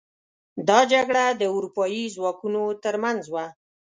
دا جګړه د اروپايي ځواکونو تر منځ وه.